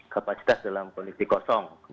kapasitas dalam kondisi kosong